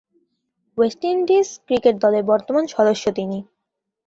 West Indies cricket দলের বর্তমান সদস্য তিনি।